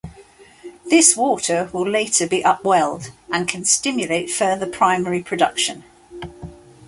This water will later be upwelled and can stimulate further primary production.